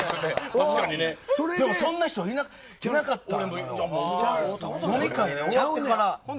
でもそんな人いなかったから。